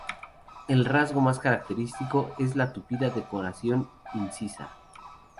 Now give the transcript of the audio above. El rasgo más característico es la tupida decoración incisa.